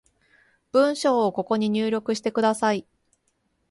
文章をここに入力してください